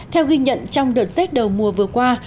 theo ghi nhận trong đợt rét đầu mùa vừa qua